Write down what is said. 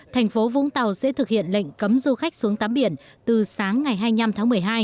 thành phố vũng tàu sẽ thực hiện lệnh cấm du khách xuống tắm biển từ sáng ngày hai mươi năm tháng một mươi hai